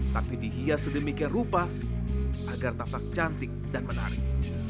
tapi dihias sedemikian rupa agar tampak cantik dan menarik